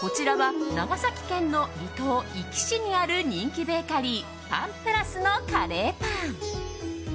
こちらは長崎県の離島壱岐市にある人気ベーカリーパンプラスのカレーパン。